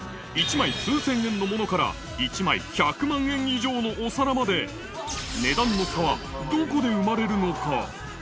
１枚数千円のものから１枚１００万円以上のお皿まで、値段の差はどこで生まれるのか。